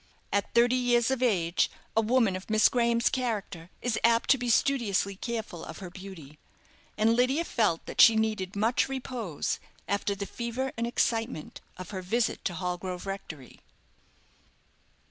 At thirty years of age a woman of Miss Graham's character is apt to be studiously careful of her beauty; and Lydia felt that she needed much repose after the fever and excitement of her visit to Hallgrove Rectory.